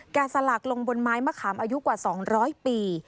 สลักลงบนไม้มะขามอายุกว่า๒๐๐ปี